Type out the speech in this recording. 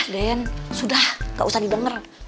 dean sudah gak usah didengar